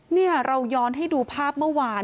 นี่เราย้อนให้ดูภาพเมื่อวาน